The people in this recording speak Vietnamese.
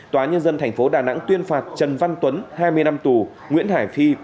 tòa nhân dân tp đà nẵng tuyên phạt trần văn tuấn hai mươi năm tù nguyễn hải phi